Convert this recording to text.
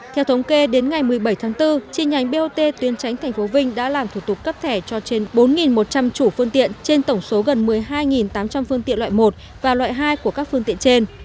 theo thống kê đến ngày một mươi bảy tháng bốn chi nhánh bot tuyến tránh tp vinh đã làm thủ tục cấp thẻ cho trên bốn một trăm linh chủ phương tiện trên tổng số gần một mươi hai tám trăm linh phương tiện loại một và loại hai của các phương tiện trên